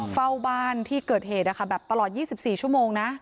เฝ้าบ้านที่เกิดเหตุแบบตลอด๒๔ชั่วโมงนะ